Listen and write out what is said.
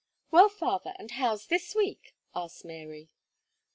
"Well, father, and how's this week?" asked Mary.